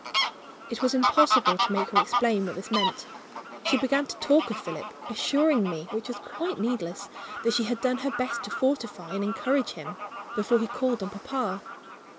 It was impossible to make her explain what this meant. She began to talk of Philip; assuring me (which was quite needless) that she had done her best to fortify and encourage him, before he called on papa.